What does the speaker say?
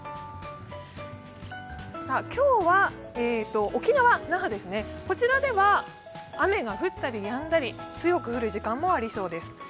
今日は沖縄・那覇では雨が降ったりやんだり、強く降る時間もありそうです。